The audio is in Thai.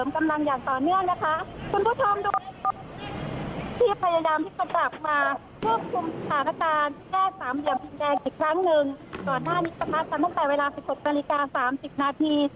ก่อนหน้านี้ประทัดกันตั้งแต่เวลา๑๖นาฬิกา๓๐นาที